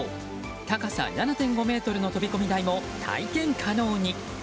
高さ７．５ｍの飛込台も体験可能に。